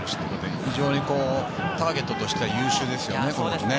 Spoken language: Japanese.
非常にターゲットとしては優秀ですよね。